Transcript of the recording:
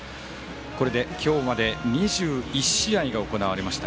これで今日まで２１試合が行われました。